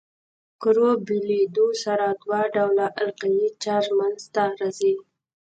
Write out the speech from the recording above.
د کرو بېلېدو سره دوه ډوله القایي چارج منځ ته راځي.